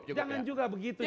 jangan juga begitu